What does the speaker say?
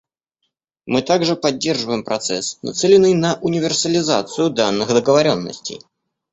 Мы также поддерживаем процесс, нацеленный на универсализацию данных договоренностей.